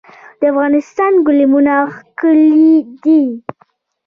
د افغانستان ګلیمونه ښکلي دي